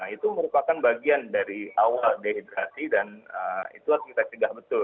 itu merupakan bagian dari awal dehidrasi dan itu harus kita cegah betul